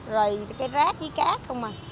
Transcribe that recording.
rồi cái rác với cát không à